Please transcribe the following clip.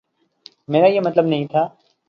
میرا یہ مطلب نہیں تھا۔